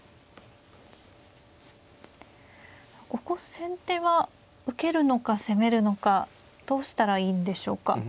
ここ先手は受けるのか攻めるのかどうしたらいいんでしょうか。